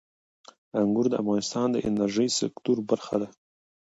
انګور د افغانستان د انرژۍ سکتور برخه ده.